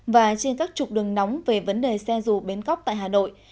và trên các trục đường nóng về vấn đề xe rùa bến góc tại hà nội